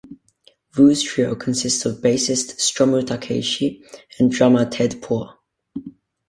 Vu's trio consists of bassist Stomu Takeishi and drummer Ted Poor.